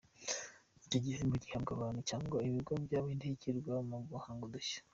Icyo gihembo gihabwa abantu cyangwa ibigo byabaye indashyikirwa mu guhanga udushya.